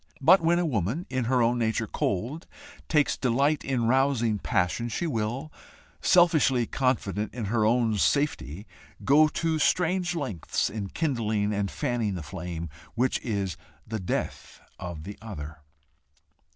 But when a woman, in her own nature cold, takes delight in rousing passion, she will, selfishly confident in her own safety, go to strange lengths in kindling and fanning the flame which is the death of the other.